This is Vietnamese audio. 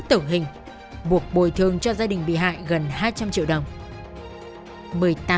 tại sao vị cáo giết